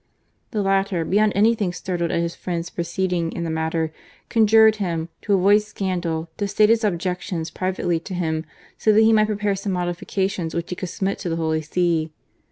The latter, beyond anything startled at his old friend's proceed ing in this matter, conjured him, to avoid scandal, to state his objections privately to himself, so that he might prepare some modifications which he could submit to the Holy See.